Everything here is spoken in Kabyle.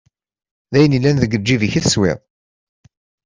D ayen yellan deg lǧib-ik i teswiḍ.